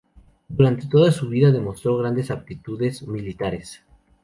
Durante toda su vida demostró grandes aptitudes militares.